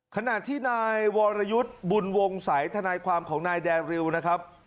ขณะที่นายวรยุทธ์บุญวงศัยธนายความของนายแดริวนะครับ